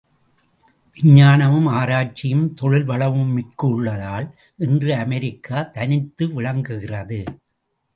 விஞ்ஞானமும் ஆராய்ச்சியும் தொழில் வளமும் மிக்கு உள்ளதால் இன்று அமெரிக்கா தனித்து விளங்குகிறது.